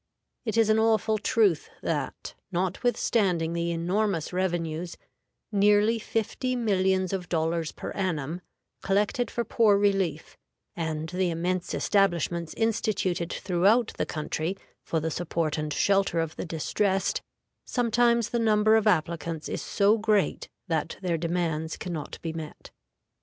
It is an awful truth that, notwithstanding the enormous revenues, nearly fifty millions of dollars per annum, collected for poor relief, and the immense establishments instituted throughout the country for the support and shelter of the distressed, sometimes the number of applicants is so great that their demands can not be met.